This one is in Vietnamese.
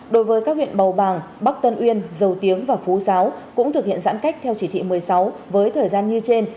đối với các huyện bầu bàng bắc tân uyên dầu tiếng và phú giáo cũng thực hiện giãn cách theo chỉ thị một mươi sáu với thời gian như trên